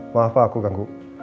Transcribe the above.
maaf pak aku ganggu